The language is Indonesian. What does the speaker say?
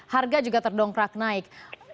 harga juga terdongkrak naik